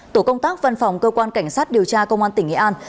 tổ công tác văn phòng cơ quan cảnh sát điều tra công an tỉnh nghệ an